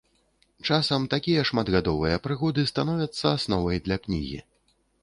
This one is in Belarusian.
Часам такія шматгадовыя прыгоды становяцца асновай для кнігі.